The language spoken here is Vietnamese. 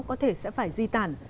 có thể sẽ phải di tản